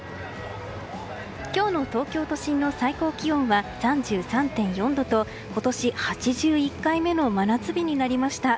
今日の東京都心の最高気温は３３．４度と今年８１回目の真夏日になりました。